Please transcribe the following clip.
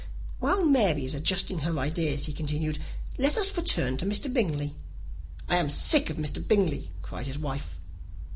"While Mary is adjusting her ideas," he continued, "let us return to Mr. Bingley." "I am sick of Mr. Bingley," cried his wife.